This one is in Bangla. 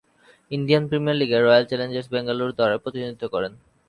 ইন্ডিয়ান প্রিমিয়ার লীগে রয়্যাল চ্যালেঞ্জার্স ব্যাঙ্গালোর দলে প্রতিনিধিত্ব করেন।